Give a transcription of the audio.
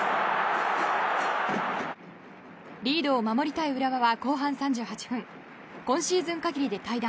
リードを守りたい浦和は後半３１分今シーズン限りで退団